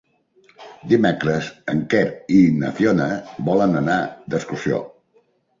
Dimecres en Quer i na Fiona volen anar d'excursió.